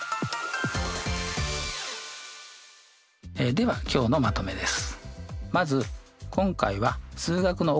では今日のまとめです。